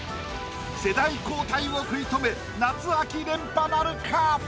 世代交代を食い止め夏秋連覇なるか？